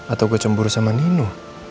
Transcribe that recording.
atau gue cemburu sama nino